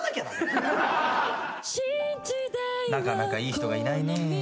なかなかいい人がいないね。